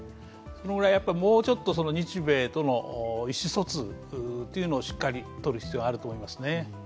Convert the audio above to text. そのぐらい、もうちょっと日米との意思疎通というのをしっかりとる必要があると思いますね。